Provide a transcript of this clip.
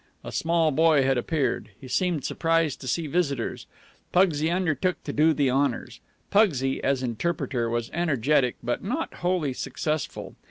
A small boy had appeared. He seemed surprised to see visitors. Pugsy undertook to do the honors. Pugsy, as interpreter, was energetic, but not wholly successful.